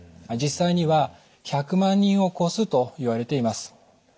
実際には１００万人を超すといわれています。